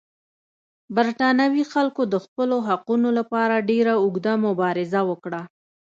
برېټانوي خلکو د خپلو حقونو لپاره ډېره اوږده مبارزه وکړه.